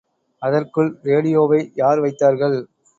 அதற்குள் ரேடியோவை யார் வைத்தார்கள்?